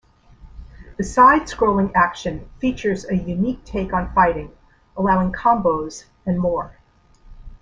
The side-scrolling action features a unique take on fighting, allowing combos and more.